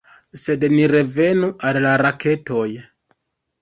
Sed ni revenu al la raketoj.